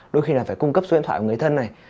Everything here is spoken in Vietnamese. đôi khi là phải cung cấp số điện thoại của người thân này